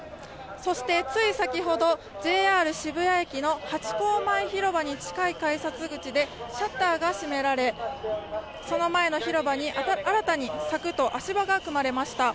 そして、つい先ほど、ＪＲ渋谷駅のハチ公前広場に近い改札でシャッターが閉められ、その前の広場に新たに柵と足場が組まれました。